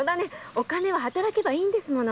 お金は働けばいいんですもの。